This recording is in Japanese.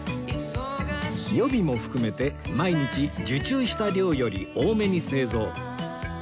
予備も含めて毎日受注した量より多めに製造